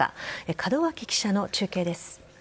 門脇記者の中継です。